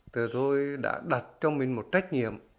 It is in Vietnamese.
thì tôi đã đặt cho mình một trách nhiệm